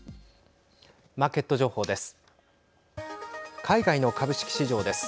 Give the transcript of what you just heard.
マーケット情報です。